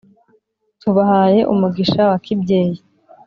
Tubahaye umugisha wakibyeyi